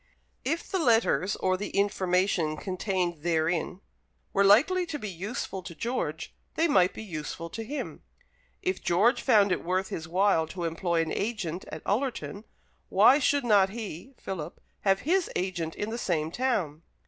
If the letters or the information contained therein were likely to be useful to George, they might be useful to him. If George found it worth his while to employ an agent at Ullerton, why should not he (Philip) have his agent in the same town?